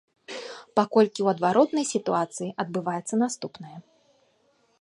Паколькі ў адваротнай сітуацыі адбываецца наступнае.